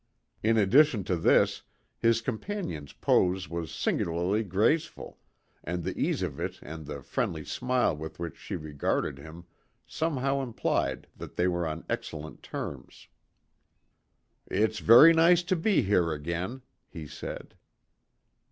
In addition to this, his companion's pose was singularly graceful, and the ease of it and the friendly smile with which she regarded him somehow implied that they were on excellent terms. "It's very nice to be here again," he said.